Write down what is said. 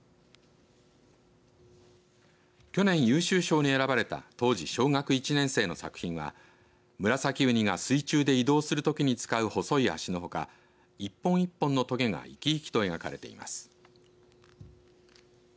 去年、優秀賞に選ばれた当時、小学１年生の作品がムラサキウニが水中で移動するときに使う細い足のほか一本一本のとげがいきいきと描かれています。